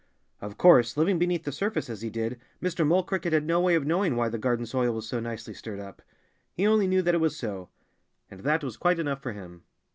Of course, living beneath the surface as he did, Mr. Mole Cricket had no way of knowing why the garden soil was so nicely stirred up. He only knew that it was so. And that was quite enough for him.